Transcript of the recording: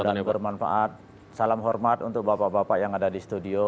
bermanfaat salam hormat untuk bapak bapak yang ada di studio